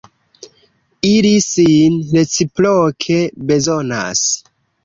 Ili sin reciproke bezonas.